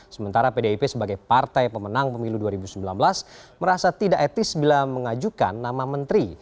sementara pdip sebagai partai pemenang pemilu dua ribu sembilan belas merasa tidak etis bila mengajukan nama menteri